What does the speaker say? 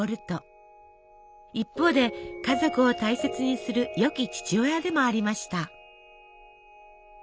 一方で家族を大切にするよき父親でもありました。